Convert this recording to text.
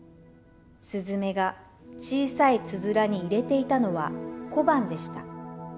すずめが小さいつづらに入れていたのは小判でした。